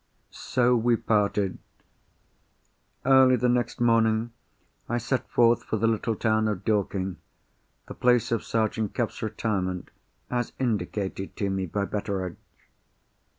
So we parted. Early the next morning, I set forth for the little town of Dorking—the place of Sergeant Cuff's retirement, as indicated to me by Betteredge.